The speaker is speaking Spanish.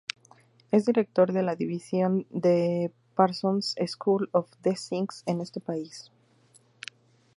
Es director de la división de "Parsons School of Design" en ese país.